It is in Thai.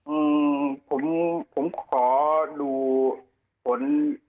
อืมผมผมขอดูผล